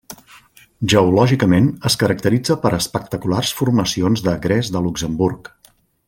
Geològicament, es caracteritza per espectaculars formacions de gres de Luxemburg.